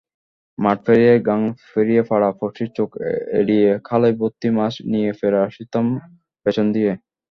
মাঠ পেরিয়ে গাঙ পেরিয়েপাড়া পড়শির চোখ এড়িয়েখালই ভর্তি মাছ নিয়েফিরে আসতাম পেছন দিয়ে।